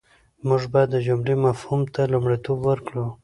موږ بايد د جملې مفهوم ته لومړیتوب ورکړو.